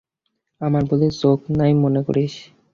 আমার বুঝি চোখ নাই মনে করিস?